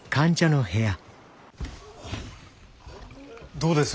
どうです？